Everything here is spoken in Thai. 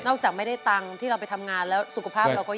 จากไม่ได้ตังค์ที่เราไปทำงานแล้วสุขภาพเราก็เยอะ